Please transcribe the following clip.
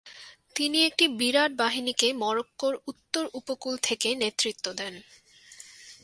তিনি একটি বিরাট বাহিনীকে মরক্কোর উত্তর উপকূল থেকে নেতৃত্ব দেন।